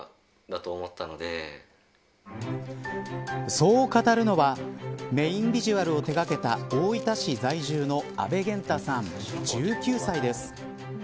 そう語るのはメーンビジュアルを手がけた大分市在住の阿部原大、３９歳です。